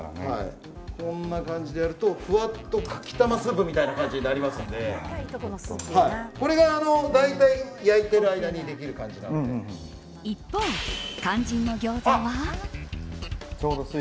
こんな感じでやるとふわっとかきたまスープみたいな感じになりますのでこれが大体焼いてる間に一方、肝心のギョーザは。